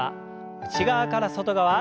内側から外側。